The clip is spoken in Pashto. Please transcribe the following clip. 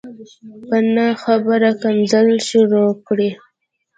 په نه خبره کنځل شروع کړي